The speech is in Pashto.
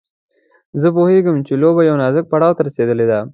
زه پوهېږم چې لوبه يوه نازک پړاو ته رسېدلې ده.